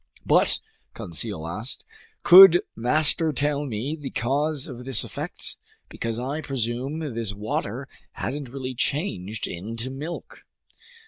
"But," Conseil asked, "could master tell me the cause of this effect, because I presume this water hasn't really changed into milk!"